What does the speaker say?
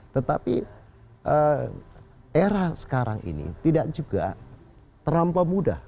tetapi era sekarang ini tidak juga terlampau mudah